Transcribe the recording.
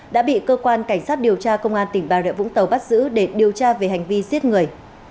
đã bị cơ quan cảnh sát điều tra công an tỉnh bà rịa vũng tàu bắt giữ để điều tra về hành vi giết người